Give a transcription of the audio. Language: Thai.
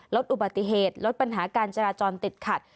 ลดอุบัติเหตุลดปัญหาการจราจรติดขัด